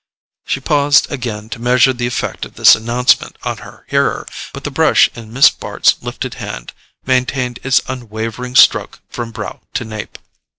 She paused again to measure the effect of this announcement on her hearer, but the brush in Miss Bart's lifted hand maintained its unwavering stroke from brow to nape.